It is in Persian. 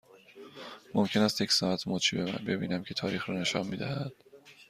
ممکن است یک ساعت مچی ببینم که تاریخ را نشان می دهد؟